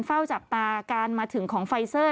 เฝ้าจับตาการมาถึงของไฟเซอร์